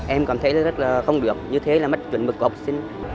em cảm thấy rất là không được như thế là mất chuẩn mực của học sinh